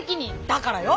だからよ。